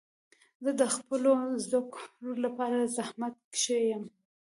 زه د خپلو زده کړو لپاره زحمت کښ یم.